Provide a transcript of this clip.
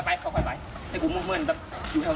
พวกมึงก็หน้าตาเหมือนพวกมึง